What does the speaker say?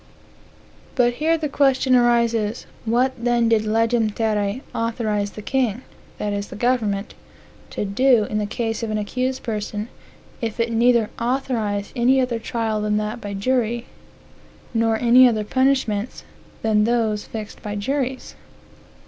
But here the question arises, What then did legem terrae" authorize the king, (that is, the government,) to do in the case of an accused person, if it neither authorized any other trial than that by jury, nor any other punishments than those fixed by juries?